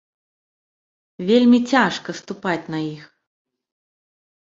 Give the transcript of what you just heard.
Вельмі цяжка ступаць на іх.